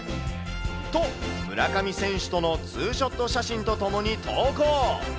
と、村上選手とのツーショット写真とともに投稿。